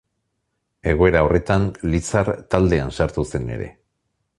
Egoera horretan Lizar taldean sartu zen ere.